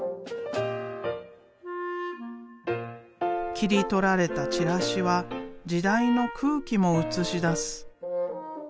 切り取られたチラシは時代の空気も映し出す。